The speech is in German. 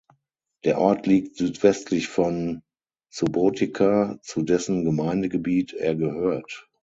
Der Ort liegt südwestlich von Subotica, zu dessen Gemeindegebiet er gehört.